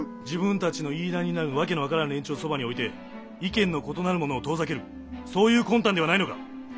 自分たちの言いなりになる訳の分からぬ連中をそばに置いて意見の異なる者を遠ざけるそういう魂胆ではないのか？